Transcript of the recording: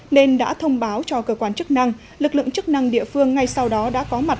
nên đã thông báo cho cơ quan chức năng lực lượng chức năng địa phương ngay sau đó đã có mặt